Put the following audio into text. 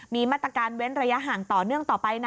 มีมาตรการเว้นระยะห่างต่อเนื่องต่อไปนะ